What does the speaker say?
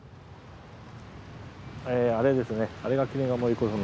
えあれですね。